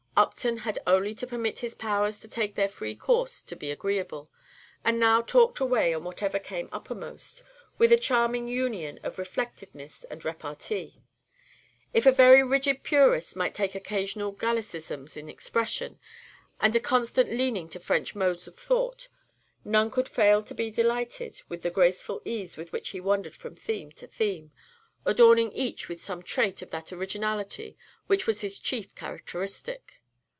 Upton had only to permit his powers to take their free course to be agreeable, and now talked away on whatever came uppermost, with a charming union of reflectiveness and repartee. If a very rigid purist might take occasional Gallicisms in expression, and a constant leaning to French modes of thought, none could fail to be delighted with the graceful ease with which he wandered from theme to theme, adorning each with some trait of that originality which was his chief characteristic.